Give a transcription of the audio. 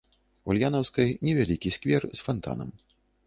Ульянаўскай невялікі сквер з фантанам.